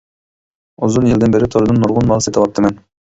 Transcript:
ئۇزۇن يىلدىن بېرى توردىن نۇرغۇن مال سېتىۋاپتىمەن.